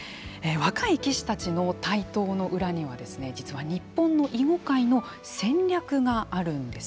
若い棋士たちの台頭の裏には実は日本の囲碁界の戦略があるんです。